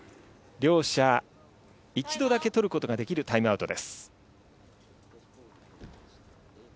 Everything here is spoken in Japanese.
両者、一度だけ取ることができるタイムアウトです。